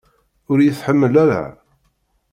Ur iyi-tḥemmel ara?